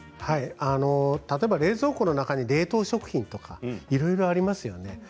例えば冷蔵庫の中に冷凍食品とかいろいろありますよね。